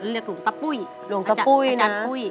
เรียกหลวงตะปุ้ยอาจารย์ปุ้ย